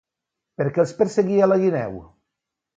Per què els perseguia la guineu?